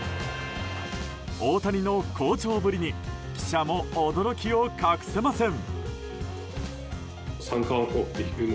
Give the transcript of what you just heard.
大谷の好調ぶりに記者も驚きを隠せません。